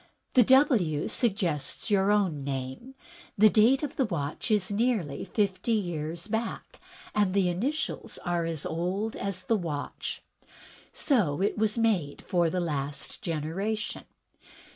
The W. suggests your own name. The date of the watch is nearly fifty years back, and the initials are as old as the watch: So it was made for the last generation.